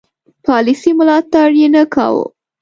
پالیسي ملاتړ یې نه کاوه.